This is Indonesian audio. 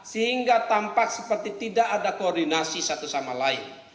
sehingga tampak seperti tidak ada koordinasi satu sama lain